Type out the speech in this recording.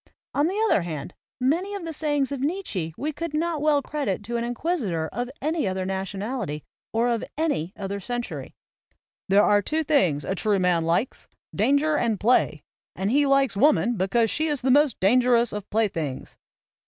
On the other hand, many of the sayings of Nietzsche we could not well credit to an inquisitor of any other nation ality or of any other century. "There are two things a true man likes, danger and play; and he likes woman because she is the most danger ous of playthings."